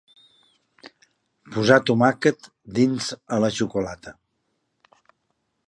Posar tomàquet fins a la xocolata.